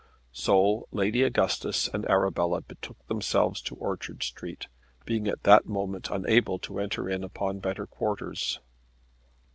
So Lady Augustus and Arabella betook themselves to Orchard Street, being at that moment unable to enter in upon better quarters.